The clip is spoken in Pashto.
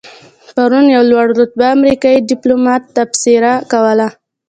پرون یو لوړ رتبه امریکایي دیپلومات تبصره کوله.